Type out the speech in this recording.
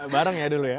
bareng ya dulu ya